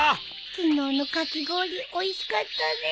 昨日のかき氷おいしかったね！